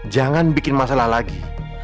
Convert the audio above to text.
jangan bikin masalah lagi